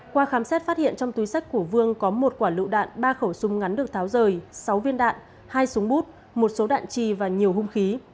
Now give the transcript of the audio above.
qua khám xét phát hiện trong túi sách của vương có một quả lựu đạn ba khẩu súng ngắn được tháo rời sáu viên đạn hai súng bút một số đạn trì và nhiều hung khí